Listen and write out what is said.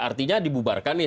artinya dibubarkan nih